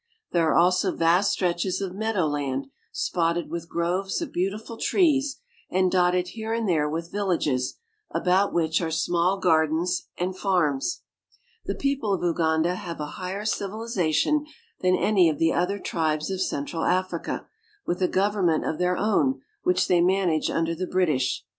There are also vast stretches of meadow land, spotted with groves of beautiful trees, and dotted here and there with villages, about which are small gardens and farms. The people of Uganda have a higher civilization than any of the other tribes of central Africa, with a govern ment of their own which they manage under the British.